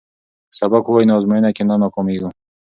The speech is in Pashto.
که سبق ووایو نو ازموینه کې نه ناکامیږو.